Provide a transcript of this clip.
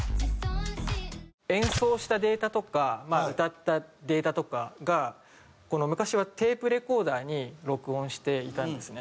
演奏したデータとか歌ったデータとかが昔はテープレコーダーに録音していたんですね。